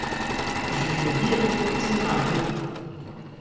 Ji fêdiyan çûm erdê.